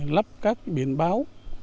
lắp các biển báo